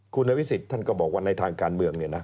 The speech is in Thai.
คุณอภิษฎท่านก็บอกว่าในทางการเมืองเนี่ยนะ